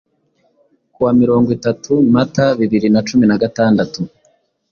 Ku wa mirongo itatu Mata bibiri na cumi nagatandatu